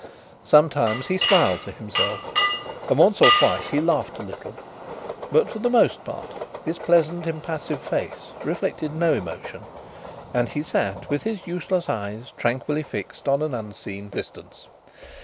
Sometimes he smiled to himself, and once or twice he laughed a little, but for the most part his pleasant, impassive face reflected no emotion and he sat with his useless eyes tranquilly fixed on an unseen distance.